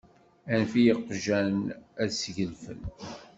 Anef i yeqjan ad ssgelfen.